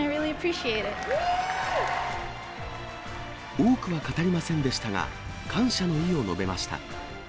多くは語りませんでしたが、感謝の意を述べました。